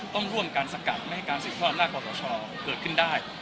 ต้องร่วมการสกัดไม่ให้การสิทธิ์พลังหน้ากว่าต่อช่องเกิดขึ้นได้